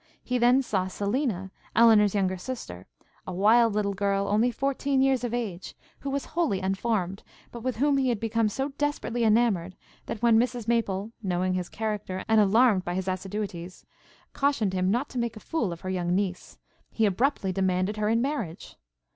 He then saw Selina, Elinor's younger sister, a wild little girl, only fourteen years of age, who was wholly unformed, but with whom he had become so desperately enamoured, that, when Mrs Maple, knowing his character, and alarmed by his assiduities, cautioned him not to make a fool of her young niece, he abruptly demanded her in marriage.